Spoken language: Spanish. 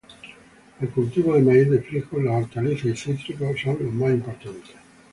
El cultivo de maíz, de frijol, las hortalizas y cítricos son los más importantes.